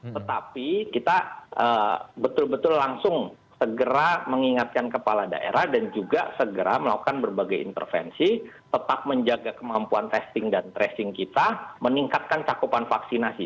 tetapi kita betul betul langsung segera mengingatkan kepala daerah dan juga segera melakukan berbagai intervensi tetap menjaga kemampuan testing dan tracing kita meningkatkan cakupan vaksinasi